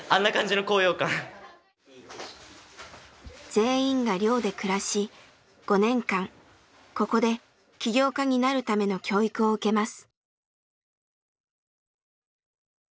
全員が寮で暮らし５年間ここで起業家になるための教育を受けます。